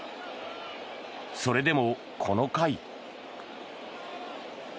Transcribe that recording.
それでも、この回。